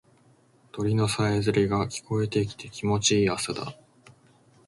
鳥のさえずりが聞こえてきて気持ちいい朝だ。